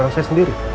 karena saya sendiri